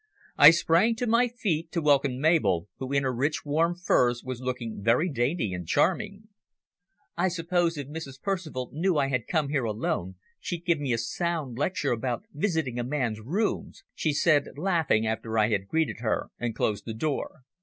I sprang to my feet to welcome Mabel, who in her rich warm furs was looking very dainty and charming. "I suppose if Mrs. Percival knew I had come here alone, she'd give me a sound lecture against visiting a man's rooms," she said, laughing after I had greeted her and closed the door.